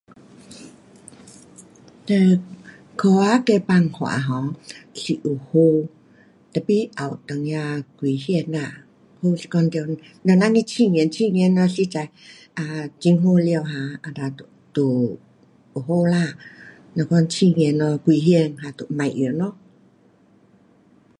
这科学的办法 um 是很好 tapi 也有一点危险呐。是讲得人去实验实验了若是实在 um 很好了哈这样就很好啦。若讲实验了危险那就别用咯。